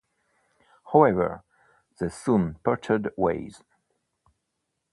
However, they soon parted ways.